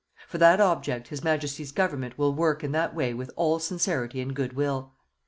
For that object His Majesty's Government will work in that way with all sincerity and good will.